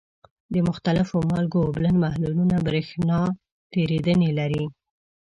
د مختلفو مالګو اوبلن محلولونه برېښنا تیریدنې لري.